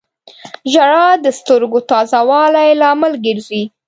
• ژړا د سترګو تازه والي لامل ګرځي.